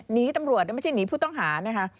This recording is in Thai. หนีตำรวจไม่ใช่หนีผู้ต้องหานะคะ